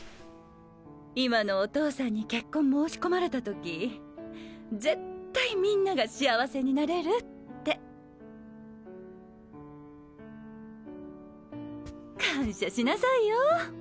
今のお父さんに結婚申し込まれた時絶対みんなが幸せになれるって。感謝しなさいよ。